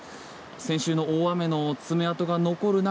先週の大雨の爪痕が残る中